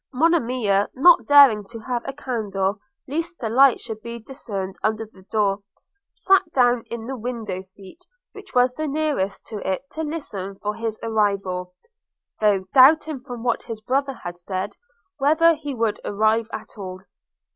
– Monimia, not daring to have a candle lest the light should be discerned under the door, sat down in the window seat which was the nearest to it to listen for his arrival, though doubting from what his brother had said whether he would arrive at all.